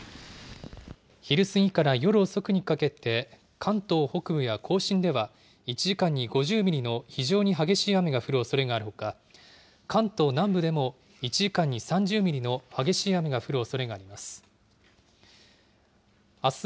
昼過ぎから夜遅くにかけて、関東北部や甲信では、１時間に５０ミリの非常に激しい雨が降るおそれがあるほか、関東南部でも、１時間に３０ミリの激しい雨が降るおそれがあります。